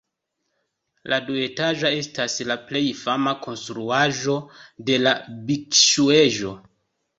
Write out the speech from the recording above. La duetaĝa estas la plej fama konstruaĵo de la bikŝuejo.